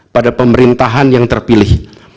pada pemerintahan yang terpilih